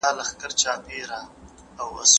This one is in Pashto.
زه پرون واښه راوړم وم؟